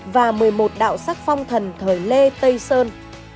và một mươi một đạo sắc phong thần thời lê tây sơn